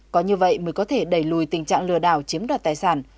có như vậy mới có thể đẩy lùi tình trạng lừa đảo chiếm đoạt tài sản